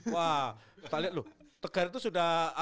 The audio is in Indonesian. wah kita lihat loh tegar itu sudah